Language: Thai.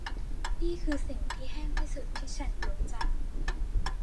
นี่คือสิ่งที่แห้งที่สุดที่ฉันรู้จัก